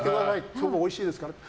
そこおいしいですからって。